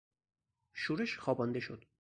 شورش خوابانده شد.